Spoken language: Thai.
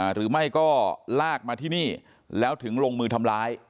หรือไม่ก็ลากมาที่นี่แล้วถึงลงมือทำร้าย